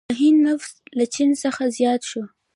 د هند نفوس له چین څخه زیات شو.